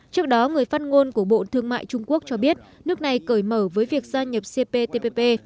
trước đó người phát ngôn của bộ thương mại trung quốc cho biết nước này cởi mở với việc gia nhập cptpp